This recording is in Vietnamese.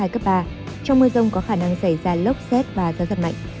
trong mưa rông có khả năng xảy ra lốc xét và gió giật mạnh